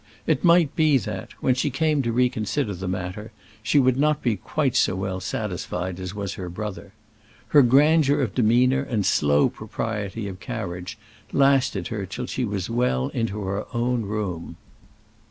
It might be that, when she came to reconsider the matter, she would not be quite so well satisfied as was her brother. Her grandeur of demeanour and slow propriety of carriage lasted her till she was well into her own room.